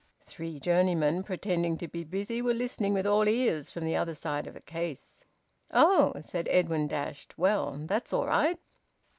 Three journeymen, pretending to be busy, were listening with all ears from the other side of a case. "Oh!" exclaimed Edwin, dashed. "Well, that's all right!"